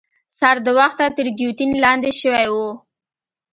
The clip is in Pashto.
سر د وخته تر ګیوتین لاندي شوی وو.